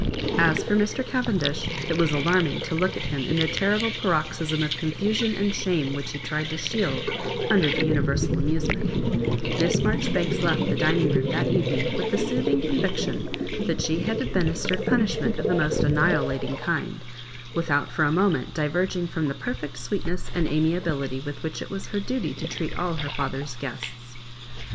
As for Mr. Cavendish", it was alarm tog to look at him in the terrible paroxysm of confusion and shame which he tried to shield un der the universal amusement Miss Marjori < banks left the dining room that evening with the soothing conviction that she had administered punishment of the most annihilating kind, with out for a moment diverging from the perfect sweetness an^ amiability with which it was hor duty to treat all her father's guests.